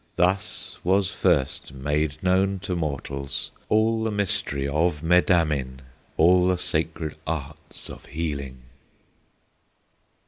Thus was first made known to mortals All the mystery of Medamin, All the sacred art of healing.